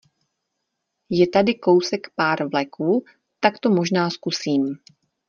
Je tady kousek pár vleků, tak to možná zkusím.